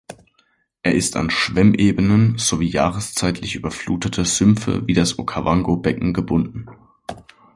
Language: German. Er ist an Schwemmebenen sowie jahreszeitlich überflutete Sümpfe wie das Okawango-Becken gebunden.